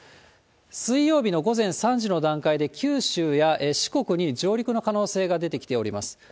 水曜日の午前３時の段階で、九州や四国に上陸の可能性が出てきております。